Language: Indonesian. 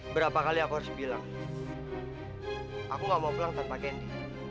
berapa kali aku harus bilang aku gak mau pulang tanpa kendi